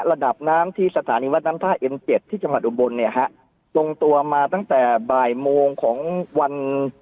ระดับน้ำที่สถานีวัดน้ำท่าเอ็มเจ็ดที่จังหวัดอุบลเนี่ยฮะลงตัวมาตั้งแต่บ่ายโมงของวัน